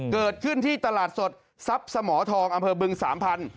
เกิดขึ้นที่ตลาดสดทรัพย์สมทองอำเภอบึงสามพันธ